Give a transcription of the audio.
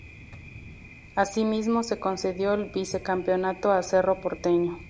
Así mismo, se concedió el vicecampeonato a Cerro Porteño.